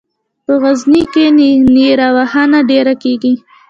په غزني کې نیره وهنه ډېره کیږي.